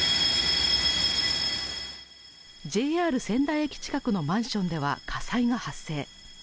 ＪＲ仙台駅近くのマンションでは火災が発生。